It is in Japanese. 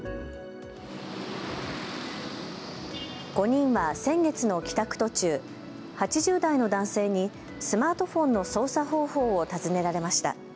５人は先月の帰宅途中、８０代の男性にスマートフォンの操作方法を尋ねられました。